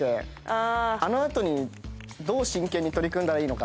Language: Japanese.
あの後にどう真剣に取り組んだらいいのかとか。